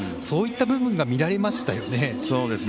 そういった部分が見られましたよね。